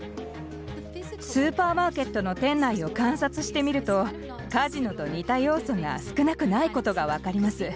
スーパーマーケットの店内を観察してみるとカジノと似た要素が少なくないことが分かります。